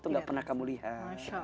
itu gak pernah kamu lihat